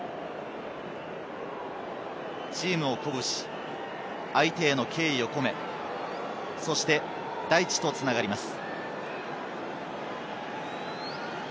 チームを鼓舞し、相手への敬意を込め、そして大地と繋がります。